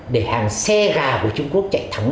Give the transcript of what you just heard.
để hàng xe gà của trung quốc chạy thẳng